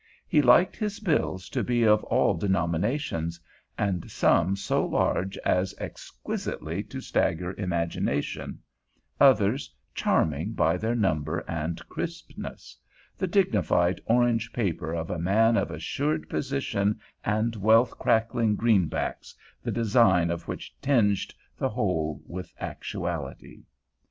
He liked his bills to be of all denominations, and some so large as exquisitely to stagger imagination, others charming by their number and crispness—the dignified, orange paper of a man of assured position and wealth crackling greenbacks the design of which tinged the whole with actuality.